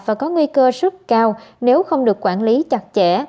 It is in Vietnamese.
và có nguy cơ sốt cao nếu không được quản lý chặt chẽ